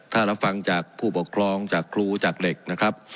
ถ้ารับฟังจากผู้ปกครองจากครูจากเหล็กนะครับ